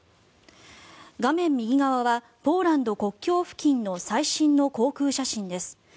画面右側はポーランド国境付近の最新の航空写真です。